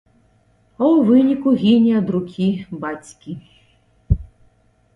А ў выніку гіне ад рукі бацькі.